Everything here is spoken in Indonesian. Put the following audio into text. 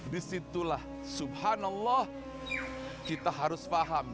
disitulah subhanallah kita harus paham